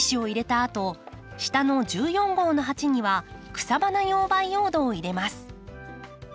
下の１４号の鉢には草花用培養土を入れます。